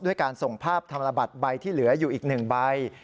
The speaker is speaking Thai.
การส่งภาพธนบัตรใบที่เหลืออยู่อีก๑ใบ